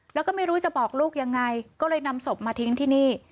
แล้วก็ไม่รู้จะบอกลูกยังไงก็เลยนำศพมาทิ้งที่นี่